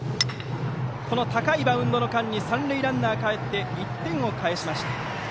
高いバウンドの間に三塁ランナーがかえって１点を返しました。